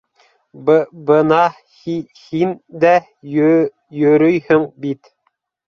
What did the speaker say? Бы-бына һи-һин дә йө-йөрөйһөң бит...